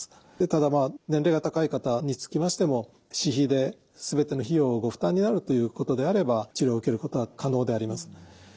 ただ年齢が高い方につきましても私費で全ての費用をご負担になるということであれば治療を受けることは可能であります。